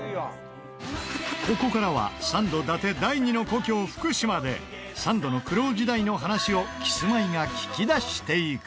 ここからはサンド伊達第２の故郷福島でサンドの苦労時代の話をキスマイが聞き出していく。